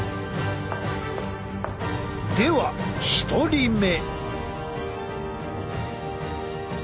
では１人目。